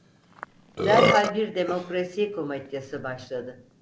Derhal bir demokrasi komedyası başladı.